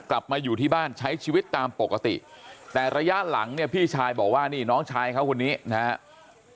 กลับมาอยู่ที่บ้านใช้ชีวิตตามปกติแต่ระยะหลังเนี่ยพี่ชายบอกว่านี่น้องชายเขาคนนี้นะครับ